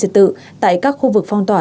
trật tự tại các khu vực phong tỏa